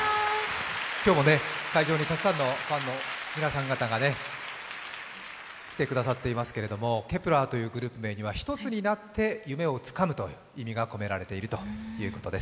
今日も会場にたくさんのファンの皆さんが来てくださっていますけれども、Ｋｅｐ１ｅｒというグループ名には１つになって夢をつかむという意味が込められているということです。